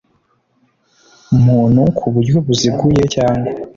muntu ku buryo buziguye cyangwa